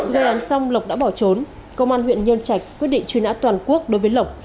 gây án xong lộc đã bỏ trốn công an huyện nhân trạch quyết định truy nã toàn quốc đối với lộc